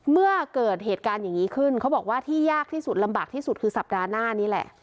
เมื่อเกิดเหตุการณ์อย่างนี้ขึ้นเขาบอกว่าที่ยากที่สุดลำบากที่สุดคือสัปดาห์หน้านี้แหละ